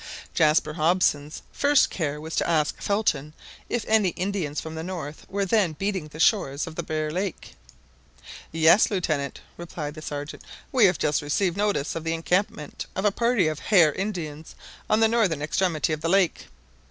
Jaspar Hobson's first care was to ask Felton if any Indians from the north were then beating the shores of the Great Bear Lake "Yes, Lieutenant," replied the Sergeant; "we have just received notice of the encampment of a party of Hare Indians on the other northern extremity of the lake."